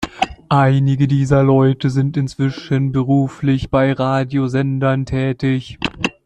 Einige dieser Leute sind inzwischen beruflich bei Radiosendern tätig.